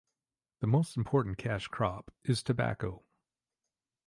The most important cash crop is tobacco.